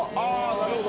なるほど。